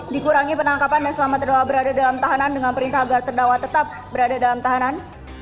dikurangi penangkapan dan selamat terdakwa berada dalam tahanan dengan perintah agar terdakwa tetap berada dalam tahanan